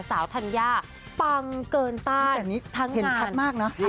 สาวธรรยาปังเกินต้านทั้งงานแต่แบบนี้เห็นชัดมากนะ